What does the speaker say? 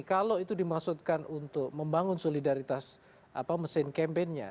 kalau itu dimaksudkan untuk membangun solidaritas mesin campaign nya